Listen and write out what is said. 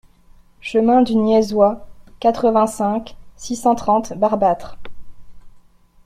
Chemin du Niaisois, quatre-vingt-cinq, six cent trente Barbâtre